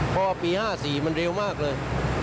พอปี๕๔มันเร็วมากเลย